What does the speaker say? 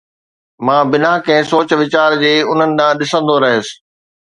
مان بنا ڪنهن سوچ ويچار جي انهن ڏانهن ڏسندو رهيس